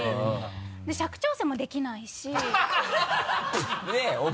で尺調整もできないし。